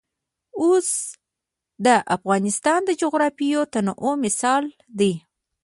اوښ د افغانستان د جغرافیوي تنوع مثال دی.